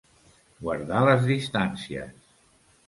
Guardar les distàncies.